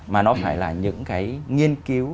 mà nó phải là những cái nghiên cứu